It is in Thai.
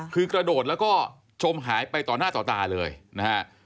คือกระโดดแล้วก็จมหายไปต่อหน้าต่อตาเลยนะฮะ